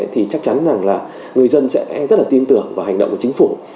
thì chắc chắn rằng là người dân sẽ rất là tin tưởng vào hành động của chính phủ